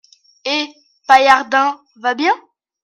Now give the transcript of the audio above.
Et Paillardin va bien ?…